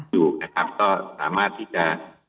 อยู่นะครับก็สามารถที่จะ